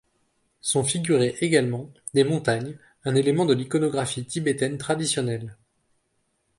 Sont figurées également des montagnes, un élément de l'iconographie tibétaine traditionnelle.